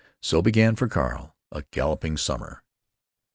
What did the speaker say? So began for Carl a galloping summer.